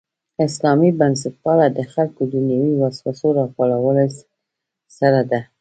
اسلامي بنسټپالنه د خلکو دنیوي وسوسو راپارولو سره ده.